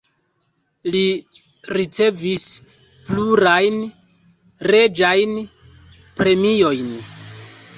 Li ricevis plurajn reĝajn premiojn.